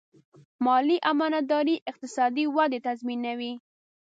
مالي امانتداري اقتصادي ودې تضمینوي.